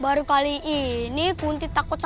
baru kali ini kunti takut sama kuntinya